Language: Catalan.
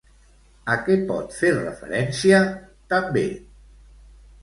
A què pot fer referència, també?